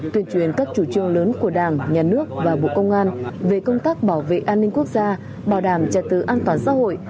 tuyên truyền các chủ trương lớn của đảng nhà nước và bộ công an về công tác bảo vệ an ninh quốc gia bảo đảm trật tự an toàn xã hội